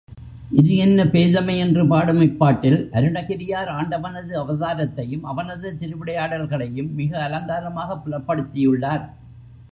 இது என்ன பேதைமை என்று பாடும் இப்பாட்டில் அருணகிரியார் ஆண்டவனது அவதாரத்தையும், அவனது திருவிளையாடல்களையும் மிக அலங்காரமாகப் புலப்படுத்தியுள்ளார்.